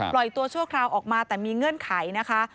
ตัวชั่วคราวออกมาแต่มีเงื่อนไขนะคะ